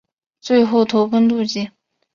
最后投奔杜弢。